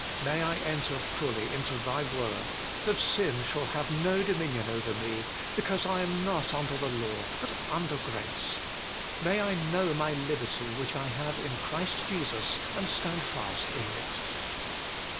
May I enter fully into Thy word, that sin shall have no dominion over me because I am not under the law but under grace. May I know my liberty which I have in Christ Jesus, and stand fast in it.